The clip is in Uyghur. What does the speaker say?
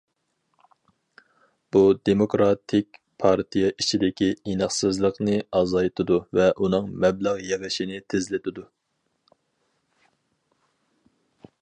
بۇ دېموكراتىك پارتىيە ئىچىدىكى ئېنىقسىزلىقنى ئازايتىدۇ ۋە ئۇنىڭ مەبلەغ يىغىشىنى تېزلىتىدۇ.